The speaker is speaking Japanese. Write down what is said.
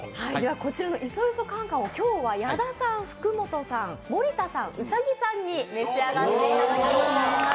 こちらのいそいそカンカンを今日は矢田さん、福本さん、森田さん、兎さんに、召し上がっていただきます。